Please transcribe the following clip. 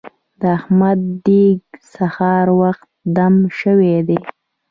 د احمد دېګ سهار وخته دم شوی دی.